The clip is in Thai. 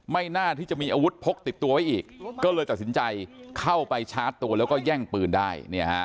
ไม่น่าที่จะมีอาวุธพกติดตัวไว้อีกก็เลยตัดสินใจเข้าไปชาร์จตัวแล้วก็แย่งปืนได้